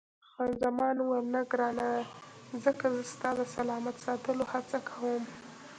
خان زمان وویل، نه ګرانه، ځکه زه ستا د سلامت ساتلو هڅه کوم.